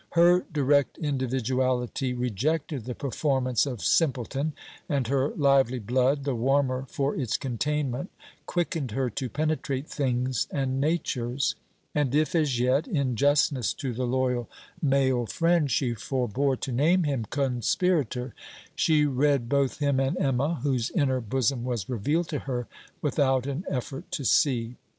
Her direct individuality rejected the performance of simpleton, and her lively blood, the warmer for its containment quickened her to penetrate things and natures; and if as yet, in justness to the loyal male friend, she forbore to name him conspirator, she read both him and Emma, whose inner bosom was revealed to her, without an effort to see.